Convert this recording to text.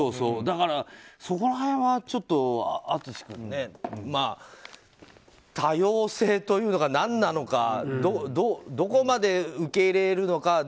だから、そこら辺はちょっと淳君、多様性というのか何なのかどこまで受け入れるのか。